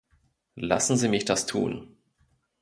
Lassen Sie mich das tun!